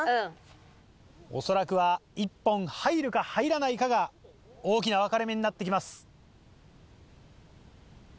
恐らくは１本入るか入らないかが大きな分かれ目になってきます。